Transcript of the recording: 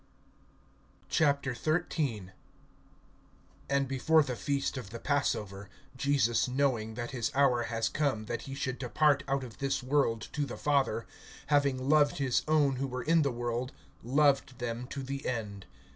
XIII. AND before the feast of the passover, Jesus knowing that his hour has come that he should depart out of this world to the Father, having loved his own who were in the world, loved them to the end.